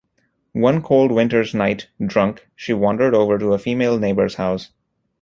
One cold winter's night, drunk, she wandered over to a female neighbour's house.